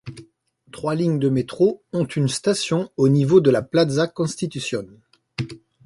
Trois lignes de métro ont une station au niveau de la Plaza Constitución.